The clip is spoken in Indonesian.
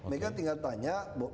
mereka tinggal tanya